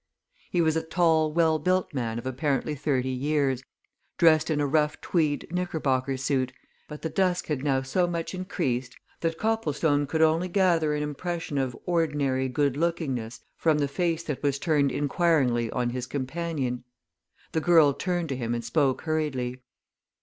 He was a tall, well built man of apparently thirty years, dressed in a rough tweed knickerbocker suit, but the dusk had now so much increased that Copplestone could only gather an impression of ordinary good lookingness from the face that was turned inquiringly on his companion. The girl turned to him and spoke hurriedly.